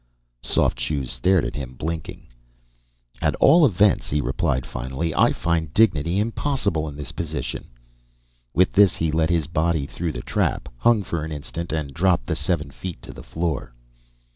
Soft Shoes stared at him, blinking. "At all events," he replied finally, "I find dignity impossible in this position." With this he let his body through the trap, hung for an instant, and dropped the seven feet to the floor.